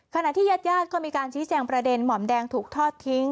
ขณะที่ญาติญาติก็มีการชี้แจงประเด็นหม่อมแดงถูกทอดทิ้ง